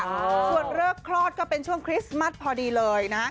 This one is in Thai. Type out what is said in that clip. ส่วนเลิกคลอดก็เป็นช่วงคริสต์มัสพอดีเลยนะ